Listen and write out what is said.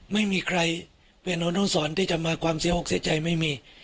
ไม่มีใครเป็นอนุสรที่จะมาความเสียหกเสียใจไม่มี